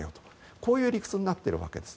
こういう理屈になっているわけです。